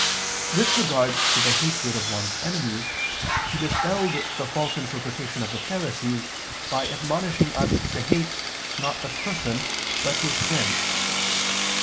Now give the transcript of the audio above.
With regard to the hatred of one's enemies, He dispelled the false interpretation of the Pharisees, by admonishing us to hate, not the person, but his sin.